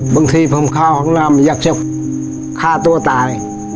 บางทีข้าวของนามอยากจะฆ่าตัวตาย